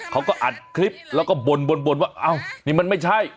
เขาก็อัดคลิปแล้วก็บนว่าอ้าวนี่มันไม่ใช่